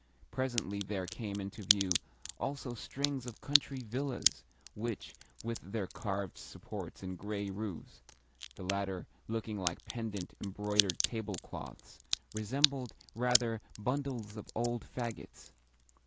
Presently there came into view also strings of country villas which, with their carved supports and grey roofs (the latter looking like pendent, embroidered tablecloths), resembled, rather, bundles of old faggots.